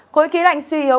khối khí lạnh suy yếu